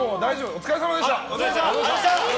お疲れさまでした！